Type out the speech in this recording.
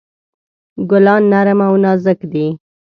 ګلان نرم او نازک دي.